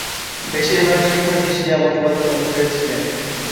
বেশিরভাগ শিক্ষার্থী শিয়া মতবাদের অনুসারী ছিলেন।